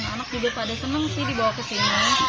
anak juga pada seneng sih dibawa ke sini